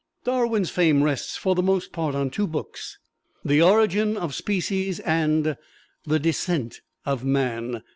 Darwin's fame rests, for the most part, on two books, "The Origin of Species" and "The Descent of Man."